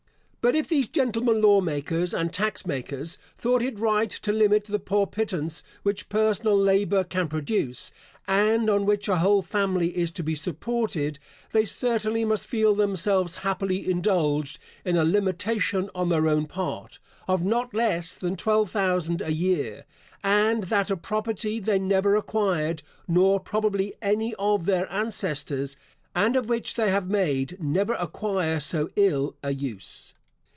But if these gentlemen law makers and tax makers thought it right to limit the poor pittance which personal labour can produce, and on which a whole family is to be supported, they certainly must feel themselves happily indulged in a limitation on their own part, of not less than twelve thousand a year, and that of property they never acquired (nor probably any of their ancestors), and of which they have made never acquire so ill a use.